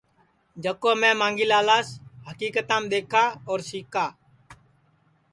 جکو میں مانگھی لالاس حکیکتام دؔیکھا اور سِکا